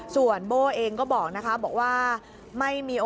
ส่วนโบ้เองก็บอกนะคะบอกว่า